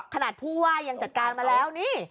ขนาดผู้ว่ายังจัดการมาแล้วนี่